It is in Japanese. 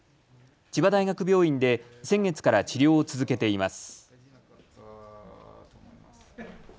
千葉大学病院で先月から治療を続けています。